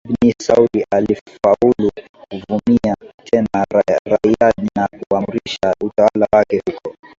Ibn Saud alifaulu kuvamia tena Riyad na kuimarisha utawala wake huko